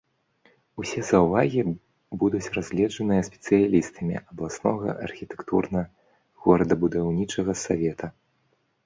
Усе заўвагі будуць разгледжаныя спецыялістамі абласнога архітэктурна-горадабудаўнічага савета.